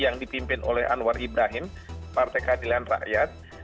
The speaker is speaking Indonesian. yang dipimpin oleh anwar ibrahim partai keadilan rakyat